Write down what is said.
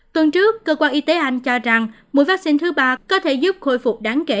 tuần trước cơ quan y tế anh cho rằng mũi vaccine thứ ba có thể giúp khôi phục đáng kể